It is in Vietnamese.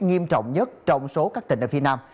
nghiêm trọng nhất trong số các tỉnh ở phía nam